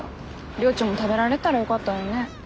りょーちんも食べられたらよかったのにね。